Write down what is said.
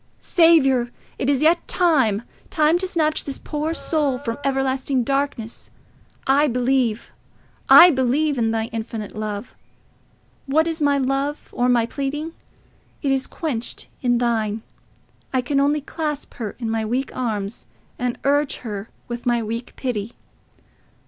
"Saviour! It is yet time—time to snatch this poor soul from everlasting darkness. I believe—I believe in thy infinite love. What is my love or my pleading? It is quenched in thine. I can only clasp her in my weak arms and urge her with my weak pity.